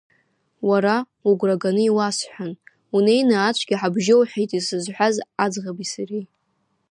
Уара угәра ганы иуасҳәан, унеины ацәгьа ҳабжьоуҳәеит исызҳәаз аӡӷаби сареи.